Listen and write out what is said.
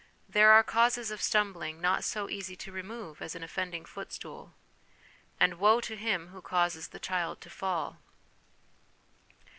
There are causes of stumbling not so easy to remove as an offending footstool ; and woe to him who causes the child to fall